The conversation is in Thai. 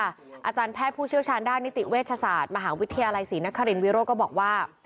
อาจารย์แพทย์ผู้เชี่ยวชาญด้านนิติเวชศาสตร์มหาวิทยาลัยศรีนครินวิโรธก็บอกว่า